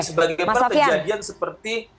sebagai kemampuan kejadian seperti